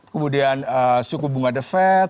kemudian suku bunga defat